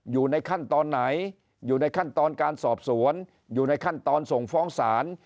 อยู่ในขั้นตอนไหนอยู่ในขั้นตอนการสอบสวนอยู่ในขั้นตอนส่งฟ้องศาล